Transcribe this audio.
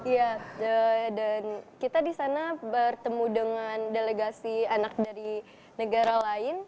iya dan kita disana bertemu dengan delegasi anak dari negara lain